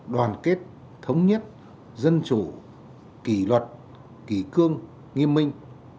đoàn kết thống nhất dân chủ kỷ luật kỳ cương nghiêm minh